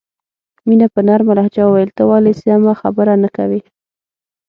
مینه په نرمه لهجه وویل ته ولې سمه خبره نه کوې